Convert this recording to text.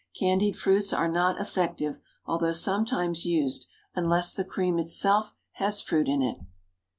Candied fruits are not effective, although sometimes used, unless the cream itself has fruit in it.